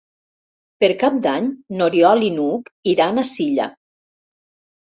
Per Cap d'Any n'Oriol i n'Hug iran a Silla.